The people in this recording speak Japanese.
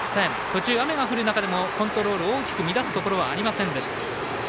途中雨が降る中でもコントロール大きく乱すことはありませんでした。